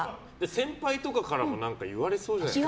先輩とかからも何か言われそうじゃないですか。